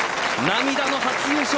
涙の初優勝。